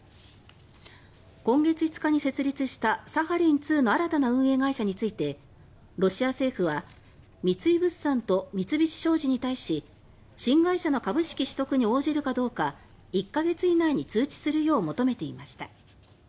今月５日に設立したサハリン２の新たな運営会社についてロシア政府はこれまでのプロジェクトに参加していた三井物産と三菱商事に対し新会社の株式取得に応じるかどうか１か月以内に通知するよう求めていました。